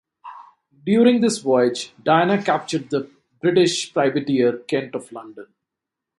During this voyage "Diana" captured the British privateer "Kent" of London.